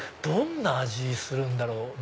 どんな味するんだろう？